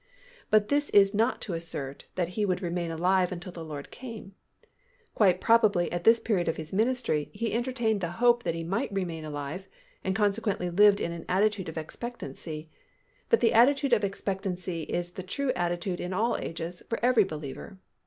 But this is not to assert that he would remain alive until the Lord came. Quite probably at this period of his ministry he entertained the hope that he might remain alive and consequently lived in an attitude of expectancy, but the attitude of expectancy is the true attitude in all ages for each believer.